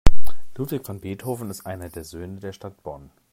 Ludwig van Beethoven ist einer der Söhne der Stadt Bonn.